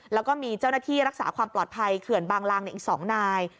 แล้วก็มีเจ้าหน้าที่รักษาความปลอดภัยเขื่อนบางลางอีก๒นาย